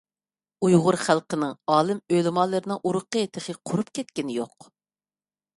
ئۇيغۇر خەلقىنىڭ ئالىم - ئۆلىمالىرىنىڭ ئۇرۇقى تېخى قۇرۇپ كەتكىنى يوق.